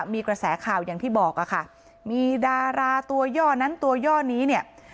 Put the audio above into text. มีกระแสข่าวอย่างที่บอกอะค่ะมีดาราตัวย่อนั้นตัวย่อนี้เนี่ย